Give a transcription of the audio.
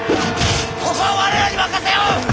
ここは我らに任せよ！